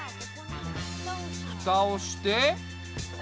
ふたをして。